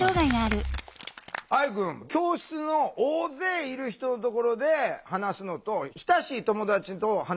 愛くん教室の大勢いる人のところで話すのと親しい友達と話するのと違う？